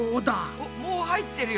おっもう入ってるよ。